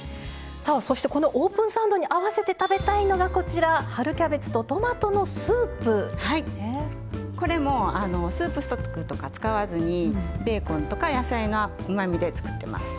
さあそしてこのオープンサンドに合わせて食べたいのがこちらこれもあのスープストックとか使わずにベーコンとか野菜のうまみで作ってます。